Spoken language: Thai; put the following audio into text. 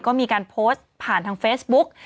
ก็มีการโพสต์ผ่านทางเฟซบุ๊ก